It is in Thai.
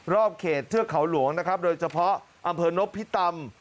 รอบเขตเทือกเขาหลวงโดยเฉพาะอำเภอนพิตำ